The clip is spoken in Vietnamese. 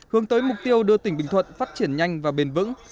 hướng tới mục tiêu đưa tỉnh bình thuận phát triển nhanh và bền vững